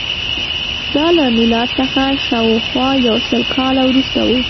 دا له میلاد څخه شاوخوا یو سل کاله وروسته وه